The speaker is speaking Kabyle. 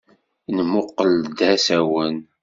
Nemmuqqel d asawen.